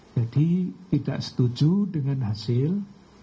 jadi tidak setuju dengan hasilnya